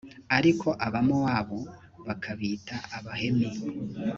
ariko abamowabu bakabita abahemi.